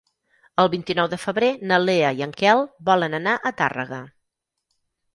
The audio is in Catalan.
El vint-i-nou de febrer na Lea i en Quel volen anar a Tàrrega.